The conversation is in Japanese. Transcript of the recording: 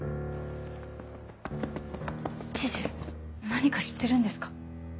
知事何か知ってるんですか？